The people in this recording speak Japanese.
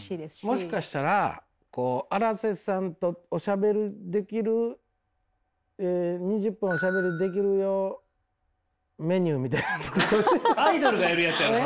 もしかしたら荒瀬さんとおしゃべりできる２０分おしゃべりできるよメニューみたいなの作っといて。